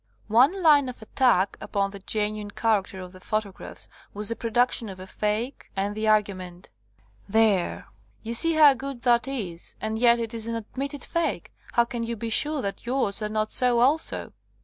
One line of attack upon the genuine char acter of the photographs was the production of a fake, and the argument: "There, you see how good that is, and yet it is an ad mitted fake. How can you be sure that yours are not so also?"